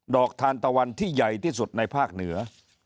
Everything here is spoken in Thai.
อกทานตะวันที่ใหญ่ที่สุดในภาคเหนือ